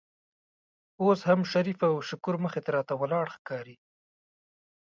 اوس هم شریف او شکور مخې ته راته ولاړ ښکاري.